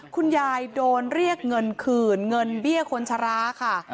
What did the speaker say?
คุณยายโดนเรียกเงินคืนเงินเบี้ยคนชราค่ะ